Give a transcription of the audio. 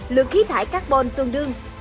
lượng khí thải carbon tương đương